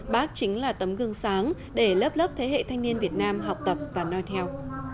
bác chính là tấm gương sáng để lớp lớp thế hệ thanh niên việt nam học tập và nói theo